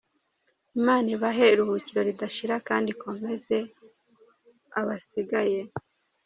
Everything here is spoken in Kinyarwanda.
Imana ibahe iruhuko ridashira kd ikomeze abasigaye.